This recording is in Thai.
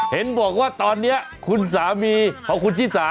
เห็นบอกว่าตอนนี้คุณสามีของคุณชิสา